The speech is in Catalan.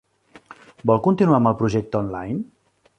Vol continuar amb el projecte online?